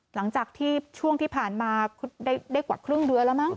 หลังจากที่ช่วงที่ผ่านมาได้กว่าครึ่งเดือนแล้วมั้ง